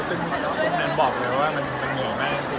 ซึ่งแมนบอกเลยว่ามันเหนื่อยแม่งจริง